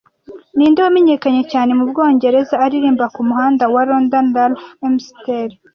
Ninde wamenyekanye cyane mu Bwongereza aririmba ku Muhanda wa London Ralph McTell